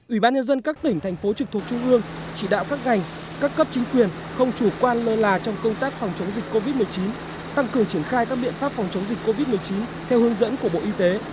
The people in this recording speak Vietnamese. ủy ban nhân dân các tỉnh thành phố trực thuộc trung ương chỉ đạo các ngành các cấp chính quyền không chủ quan lơ là trong công tác phòng chống dịch covid một mươi chín tăng cường triển khai các biện pháp phòng chống dịch covid một mươi chín theo hướng dẫn của bộ y tế